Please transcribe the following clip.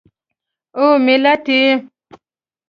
او ملت یې